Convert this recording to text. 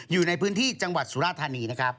อยู่ในพื้นที่จังหวัดสุราธานีนะครับ